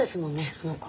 あの子。